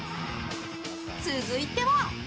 続いては。